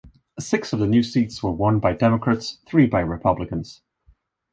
Six of the new seats were won by Democrats, three by Republicans.